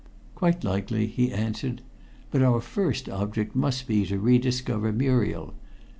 "Quite likely," he answered. "But our first object must be to rediscover Muriel.